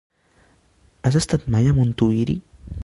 Has estat mai a Montuïri?